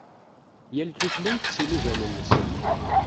Yal tutlayt s yilugan-nnes.